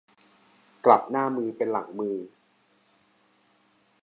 กลับหน้ามือเป็นหลังมือ